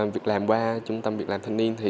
việc làm qua trung tâm việc làm thanh niên